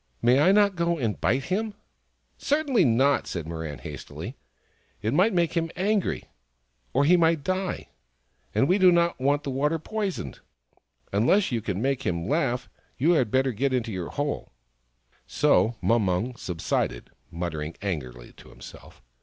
" May I not go and bite him ?"" Certainly not !" said Mirran hastil3^ " It might make him angry ; or he might die, and we do not want the water poisoned. Unless you can make him laugh, you had better get into your hole !" So Mumung subsided, muttering angrily to himself.